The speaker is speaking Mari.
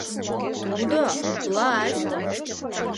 Тудо — власть!